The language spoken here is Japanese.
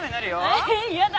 えっ嫌だ。